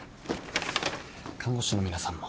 看護師の皆さんも。